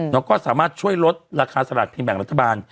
แล้วก็สามารถช่วยลดราคาสลากกินแบ่งรัฐบาล